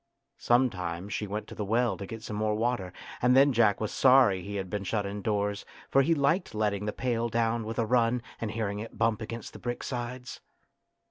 Sometimes she went to the well to get some more water, and then Jack was sorry that he had been shut indoors, for he liked letting the pail down with a run and hearing it bump against the brick sides.